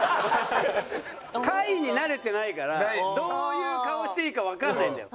下位に慣れてないからどういう顔していいかわかんないんだよ。